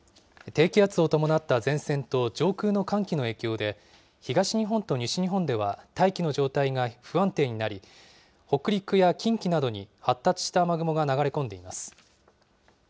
低気圧を伴った前線と上空の寒気の影響で、東日本と西日本では大気の状態が不安定になり、北陸や近畿などに発達した雨雲が流れ込んでいます。